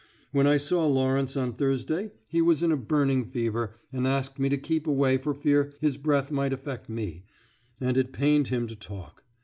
When I saw Lawrence on Thursday he was in a burning fever and asked me to keep away for fear his breath might affect me, and it pained him to talk.